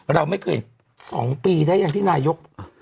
เราไม่เคยเห็น๒ปีได้อย่างที่นายก